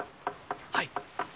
はい。